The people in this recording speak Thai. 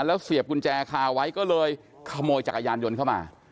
แล้วเสียบกุญแจคาไว้ก็เลยขโมยจักรยานยนต์เข้ามา